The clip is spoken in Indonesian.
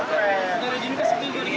darah jenisnya sendiri gitu